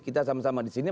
kita sama sama di sini